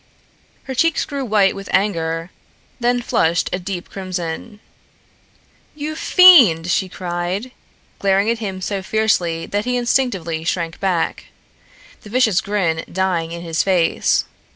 Her cheeks grew white with anger, then flushed a deep crimson. "You fiend!" she cried, glaring at him so fiercely that he instinctively shrank back, the vicious grin dying in his face.